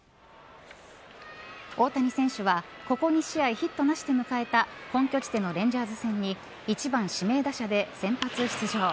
大谷選手は、ここ２試合ヒットなしで迎えた本拠地でのレンジャース戦に１番、指名打者で先発出場。